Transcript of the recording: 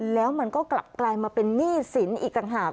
แล้วมันก็กลับกลายมาเป็นหนี้สินอีกต่างหาก